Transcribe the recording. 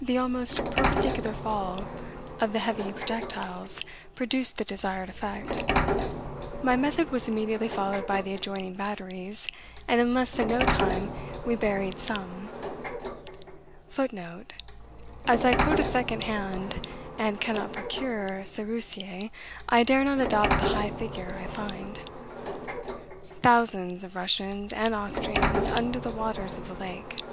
The almost perpendicular fall of the heavy projectiles produced the desired effect. My method was immediately followed by the adjoining batteries, and in less than no time we buried 'some' [Footnote: As I quote at second hand, and cannot procure Seruzier, I dare not adopt the high figure I find.] thousands of Russians and Austrians under the waters of the lake."